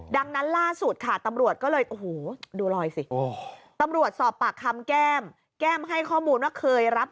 ดังนั้นล่าสุดค่ะตำรวจก็เลยโอ้โหดูรอยสิตำรวจสอบปากคำแก้มแก้มให้ข้อมูลว่าเคยรับ